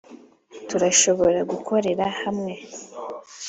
turashobora gukorera hamwe?